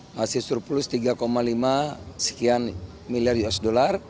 masih surplus tiga lima sekian miliar usd